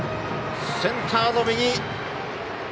センターの右。